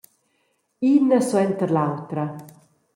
Ina suenter l’autra.